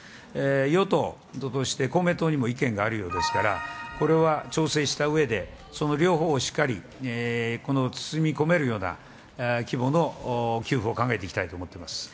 与党として、公明党にも意見があるようですから、これは調整したうえで、その両方をしっかり包み込めるような規模の給付を考えていきたい